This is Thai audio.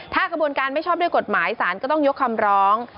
ถ้ากระบวนการไม่ชอบด้วยกฎหมายสารก็ต้องยกคำร้อง